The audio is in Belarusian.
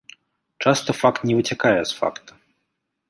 Часта факт не выцякае з факта.